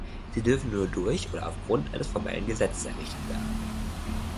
Sie dürfen nur durch oder aufgrund eines formelles Gesetz errichtet werden.